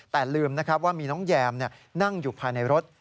แต่ลืมนะครับว่ามีน้องแยมนั่งอยู่ภายในรถ